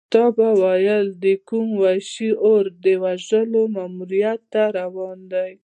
تا به ویل د کوم وحشي اور د وژلو ماموریت ته روان دی.